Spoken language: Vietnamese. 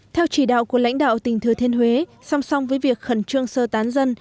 theo chỉ đạo của lãnh đạo tỉnh thừa thiên huế song song với việc khẩn trương sơ tán dân